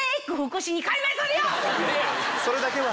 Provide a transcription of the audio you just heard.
それだけは！